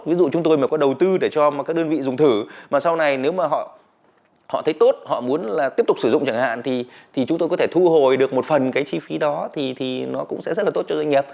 ví dụ chúng tôi mà có đầu tư để cho các đơn vị dùng thử mà sau này nếu mà họ thấy tốt họ muốn là tiếp tục sử dụng chẳng hạn thì chúng tôi có thể thu hồi được một phần cái chi phí đó thì nó cũng sẽ rất là tốt cho doanh nghiệp